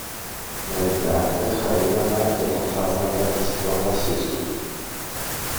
Μερικά είναι χαρούμενα για τα θαύματα της πρότασής τους